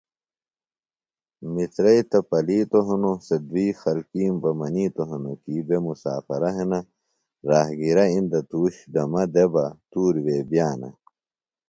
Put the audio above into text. مِترئی تہ پلِتوۡ ہِنوۡ سےۡ دُئیۡ خلکیم بہ منِیتوۡ ہِنوۡ کیۡ بے مُسافرہ ہِنہ، راہگِیرہ اِندیۡ تُوش دمہ دےۡ بہ تُوریۡ وے بئانہ